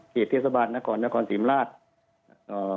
เหตุเทศบาลนครนครสิมราชอ่า